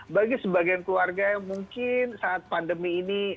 bagi sebagian keluarga yang mungkin saat pandemi ini